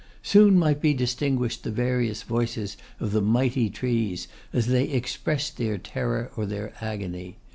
Soon might be distinguished the various voices of the mighty trees, as they expressed their terror or their agony.